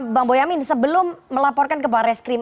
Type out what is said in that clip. bang boyamin sebelum melaporkan ke barreskrim